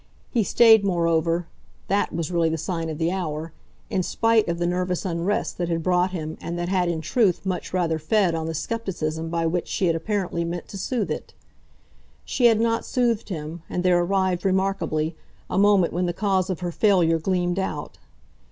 He stayed moreover THAT was really the sign of the hour in spite of the nervous unrest that had brought him and that had in truth much rather fed on the scepticism by which she had apparently meant to soothe it. She had not soothed him, and there arrived, remarkably, a moment when the cause of her failure gleamed out.